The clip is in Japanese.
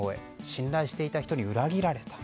信頼している人に裏切られた。